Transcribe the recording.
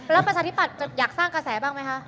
แล้วประชาธิปัตย์อยากสร้างกระแสบ้างไหมคะ